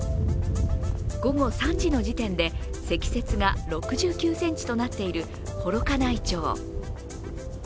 午後３時の時点で、積雪が６９ｃｍとなっている幌加内町。